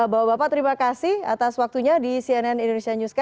bapak bapak terima kasih atas waktunya di cnn indonesia newscast